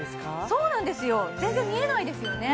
そうなんですよ全然見えないですよね